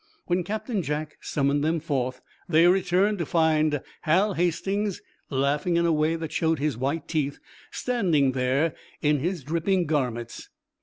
When Captain Jack summoned them forth, they returned to find Hal Hastings, laughing in a way that showed his white teeth, standing there in his dripping garments.